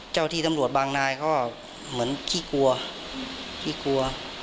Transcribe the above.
เจ้าที่ทำรวจบังนายก็เหมือนขี้กลัว